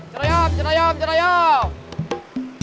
cerayam cerayam cerayam